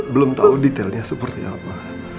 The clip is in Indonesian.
belum tahu detailnya seperti apa